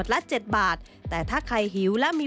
เป็นอย่างไรนั้นติดตามจากรายงานของคุณอัญชาฬีฟรีมั่วครับ